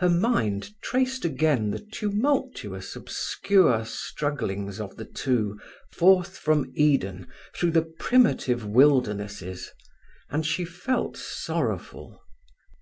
Her mind traced again the tumultuous, obscure strugglings of the two, forth from Eden through the primitive wildernesses, and she felt sorrowful.